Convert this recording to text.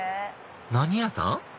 何屋さん？